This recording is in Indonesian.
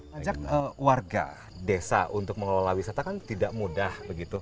majak warga desa untuk mengelola wisata kan tidak mudah